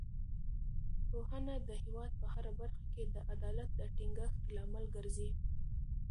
پوهنه د هېواد په هره برخه کې د عدالت د ټینګښت لامل ګرځي.